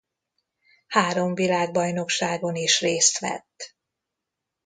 Három világbajnokságon is részt vett.